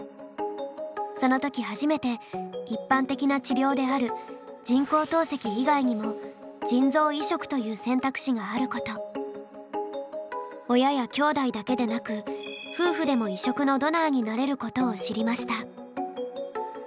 その時初めて一般的な治療であるという選択肢があること親やきょうだいだけでなく夫婦でも移植のドナーになれることを知りました。